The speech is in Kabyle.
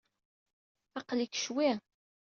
Aql-ik ccwi.